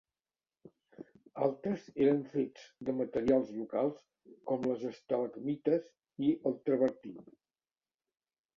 Altres eren fets de materials locals com les estalagmites i el travertí.